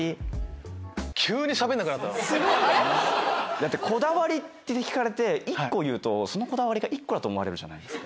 だってこだわりって聞かれて１個言うとそのこだわりが１個だと思われるじゃないですか。